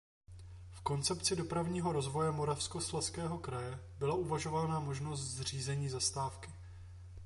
V koncepci dopravního rozvoje Moravskoslezského kraje byla uvažována možnost zřízení zastávky.